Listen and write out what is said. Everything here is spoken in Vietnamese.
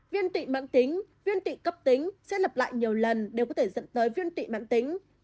viên tụy mạng tính viên tị cấp tính sẽ lập lại nhiều lần đều có thể dẫn tới viên tụy mạng tính